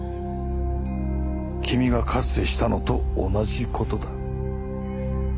君がかつてしたのと同じ事だ。